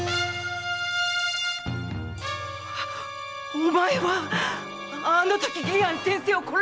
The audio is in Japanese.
お前はあのとき玄庵先生を殺した侍！